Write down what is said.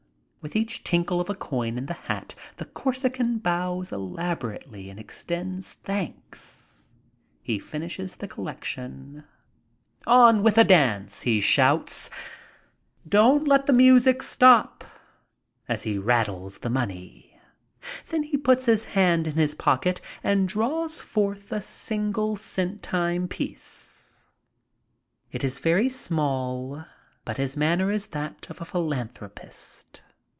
With each tinkle of a coin in the hat the Corsican bows elaborately and extends thanks. He finishes the collection. "On with the dance," he shouts. "Don't let the music 112 MY TRIP ABROAD stop," as he rattles the money. Then he puts his hand in his pocket and draws forth a single centime piece. It is very small, but his manner is that of a philanthropist.